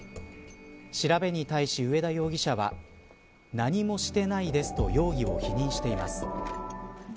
調べに対し、上田容疑者は何もしてないですと容疑を否認しています。